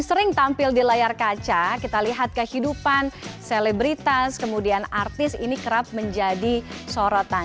sering tampil di layar kaca kita lihat kehidupan selebritas kemudian artis ini kerap menjadi sorotan